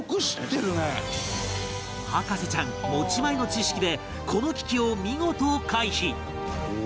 博士ちゃん持ち前の知識でこの危機を見事回避！